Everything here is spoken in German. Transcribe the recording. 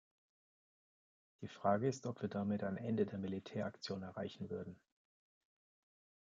Die Frage ist, ob wir damit ein Ende der Militäraktion erreichen würden.